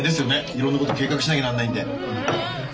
いろんなこと計画しなきゃなんないんで。